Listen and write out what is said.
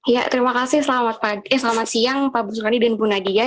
ya terima kasih selamat siang pak buzzwani dan bu nadia